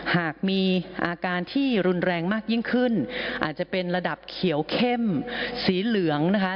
หากมีอาการที่รุนแรงมากยิ่งขึ้นอาจจะเป็นระดับเขียวเข้มสีเหลืองนะคะ